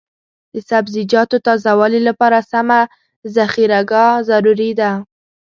د سبزیجاتو تازه والي لپاره سمه ذخیره ګاه ضروري ده.